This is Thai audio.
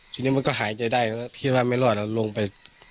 ทีนี้มันก็หายใจได้ก็คิดว่าไม่รอดแล้วลงไป